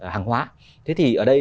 hàng hóa thế thì ở đây